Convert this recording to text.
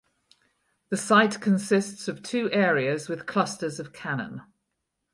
The site consists of two areas with clusters of cannon.